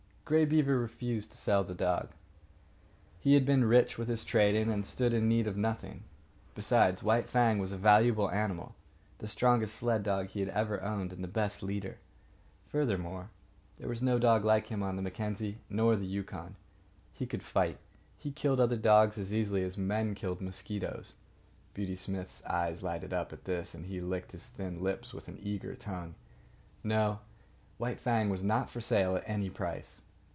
Grey Beaver refused to sell the dog. He had grown rich with his trading and stood in need of nothing. Besides, White Fang was a valuable animal, the strongest sled dog he had ever owned, and the best leader. Furthermore, there was no dog like him on the Mackenzie nor the Yukon. He could fight. He killed other dogs as easily as men killed mosquitoes. (Beauty Smith's eyes lighted up at this, and he licked his thin lips with an eager tongue). No, White Fang was not for sale at any price.